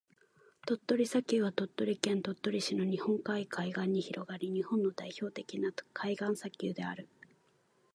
鳥取砂丘は、鳥取県鳥取市の日本海海岸に広がる日本の代表的な海岸砂丘である。